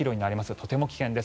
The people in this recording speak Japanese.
とても危険です。